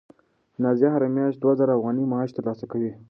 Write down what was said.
نازیه هره میاشت دوه زره افغانۍ معاش ترلاسه کوي.